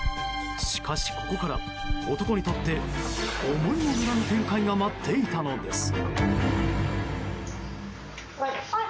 しかし、ここから男にとって思いもよらぬ展開が待っていたのです。